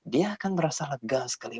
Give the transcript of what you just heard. dia akan merasa lega sekali